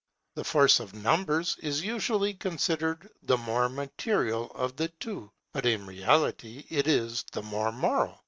The force of numbers is usually considered the more material of the two; but in reality it is the more moral.